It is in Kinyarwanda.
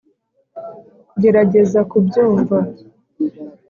gerageza kubyumva.